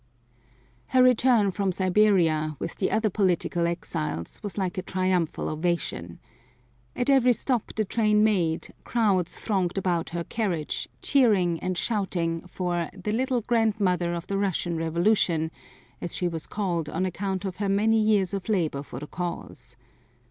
Her return from Siberia with the other political exiles was like a triumphal ovation. At every stop the train made crowds thronged about her carriage, cheering and shouting for "the little grandmother of the Russian Revolution," as she was called on account of her many years of labor for the cause.